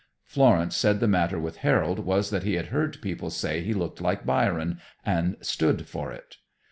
Florence said the matter with Harold was that he had heard people say he looked like Byron, and stood for it.